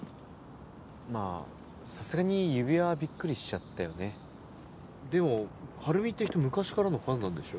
まぁさすがに指輪はびっくりしちゃったよねでもはるみって人昔からのファンなんでしょ？